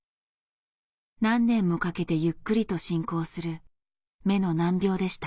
何年もかけてゆっくりと進行する目の難病でした。